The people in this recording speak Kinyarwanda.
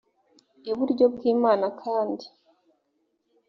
iburyo bw imana kandi